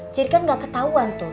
jadi kan gak ketahuan tuh